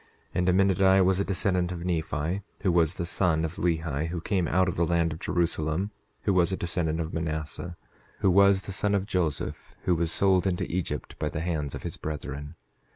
10:3 And Aminadi was a descendant of Nephi, who was the son of Lehi, who came out of the land of Jerusalem, who was a descendant of Manasseh, who was the son of Joseph who was sold into Egypt by the hands of his brethren.